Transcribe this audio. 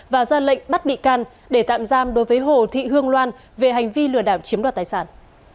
và ra lệnh bắt bị can để tạm giam đối với hồ thị hương loan về hành vi lừa đảo chiếm đoạt tài sản